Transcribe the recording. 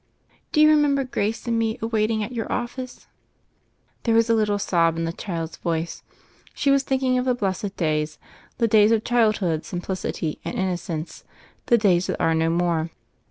Do you remem ber Grace and me awaiting at your office ?" There was a little sob in the child's voice: she was thinking of the blessed days, the days THE FAIRY OF THE SNOWS 189 of childhood, simplicity, and innocence, the "days that are no more."